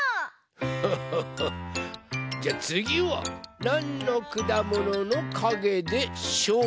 じゃあつぎはなんのくだもののかげでしょうか？